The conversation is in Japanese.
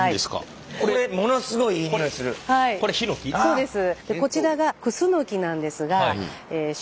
そうです。